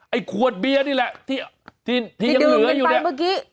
ไอ้ขวดเบียร์นี่แหละที่ที่ยังเหลืออยู่เนี่ย